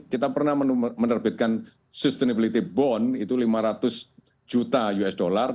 kita pernah menerbitkan sustainability bond itu lima ratus juta usd